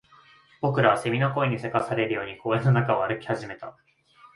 僕らは蝉の声に急かされるように公園の中を歩き始めた